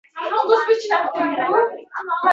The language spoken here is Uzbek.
Hammayoq muzladi.